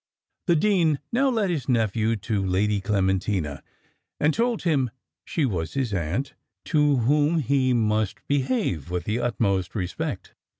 The dean now led his nephew to Lady Clementina, and told him, "She was his aunt, to whom he must behave with the utmost respect."